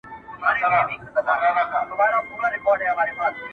راته مه ګوره میدان د ښکلیو نجونو!!